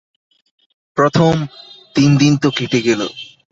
প্রথম তিন দিন তো কেটে গেল।